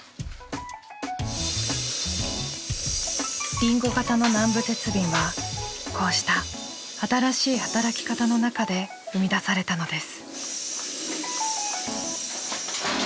りんご型の南部鉄瓶はこうした新しい働き方の中で生み出されたのです。